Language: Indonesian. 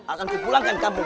akan kupulangkan kamu